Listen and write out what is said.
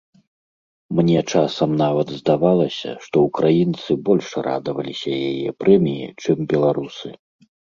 Мне часам нават здавалася, што ўкраінцы больш радаваліся яе прэміі, чым беларусы.